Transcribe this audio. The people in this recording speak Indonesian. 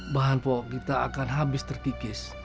bahan pokok kita akan habis terkikis